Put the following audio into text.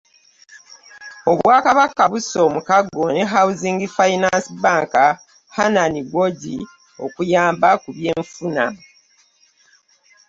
Obwakabaka busse omukago ne Housing Finance Bank, Henan Guoji okuyamba ku by'enfuna